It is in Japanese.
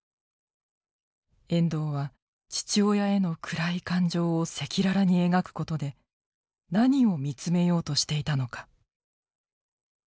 遠藤は父親への暗い感情を赤裸々に描くことで何を見つめようとしていたのか。